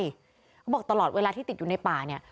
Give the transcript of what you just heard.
เขาบอกตลอดเวลาที่ติดอยู่ในป่าเนี่ย